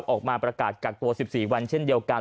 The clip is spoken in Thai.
ออกมาประกาศกักตัว๑๔วันเช่นเดียวกัน